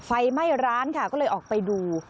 ไฟไหม้ร้านค่ะก็เลยออกไปดู